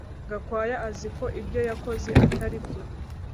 Gakwaya azi ko ibyo yakoze atari byo